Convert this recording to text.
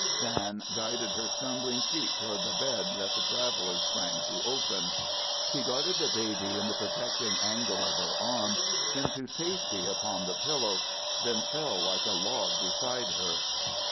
Dan guided her stumbling feet toward the bed that the traveller sprang to open. She guarded the baby in the protecting angle of her arm into safety upon the pillow, then fell like a log beside her.